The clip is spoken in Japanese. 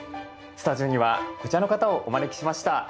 スタジオにはこちらの方をお招きしました。